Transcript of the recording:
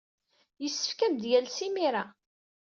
Yessefk ad am-d-yales imir-a.